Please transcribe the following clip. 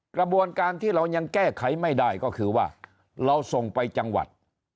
กระบวนการที่เรายังแก้ไขไม่ได้ก็คือว่าเราส่งไปจังหวัด